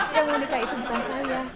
yang mau nikah itu bukan saya